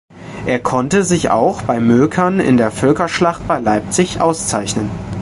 Er konnte sich auch bei Möckern in der Völkerschlacht bei Leipzig auszeichnen.